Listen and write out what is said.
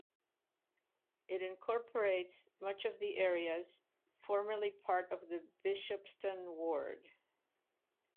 It incorporates much of the areas formerly part of the Bishopston ward.